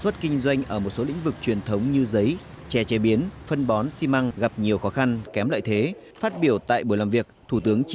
thủ tướng nguyễn xuân phúc